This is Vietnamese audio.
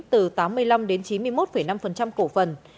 từ tám mươi năm đến chín mươi một năm cổ phần